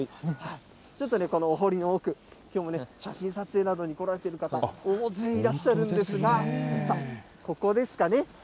ちょっとね、このほりの奥、きょうもね、写真撮影などに来られてる方、大勢いらっしゃるんですが、さあ、ここですかね。